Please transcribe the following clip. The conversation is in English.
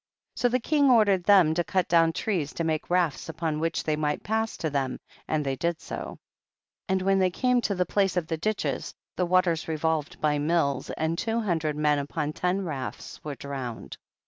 18. So the king ordered them to cut down trees to make rafts, upon which they might pass to them, and they did so. THE BOOK OF JASHER. 221 19. And when they came to the place of the ditches, the waters re volved* by mills, and two hundred men upon ten raffs were drowned.